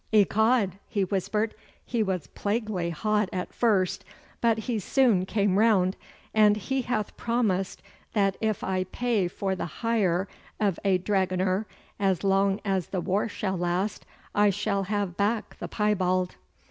'Ecod!' he whispered. 'He was plaguy hot at first, but he soon came round, and he hath promised that if I pay for the hire of a dragooner as long as the war shall last I shall have back the piebald.